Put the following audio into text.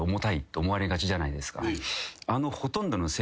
思われがちじゃないですか。